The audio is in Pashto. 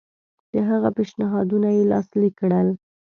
د هغه پېشنهادونه یې لاسلیک کړل.